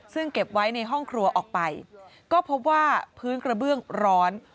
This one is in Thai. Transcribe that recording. ซึ่งเก็บไว้ในห้องครัวออกไปก็พบว่าพื้นกระเบื้องร้อน